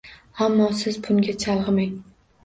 Ammo siz bunga chalg`imang